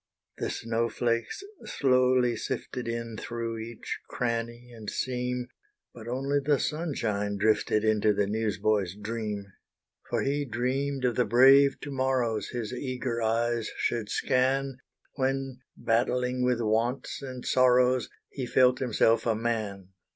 The snow flakes slowly sifted In through each cranny and seam, But only the sunshine drifted Into the news boy's dream. For he dreamed of the brave to morrows, His eager eyes should scan, When battling with wants and sorrows, He felt himself a Man.